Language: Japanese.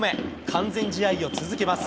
完全試合を続けます。